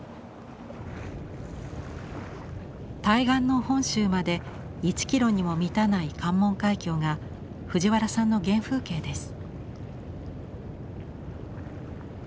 対岸の本州まで１キロにも満たない関門海峡が藤原さんの原風景です。